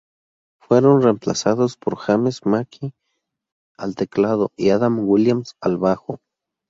Fueron reemplazados por James Mackie al teclado y Adam Williams al bajo.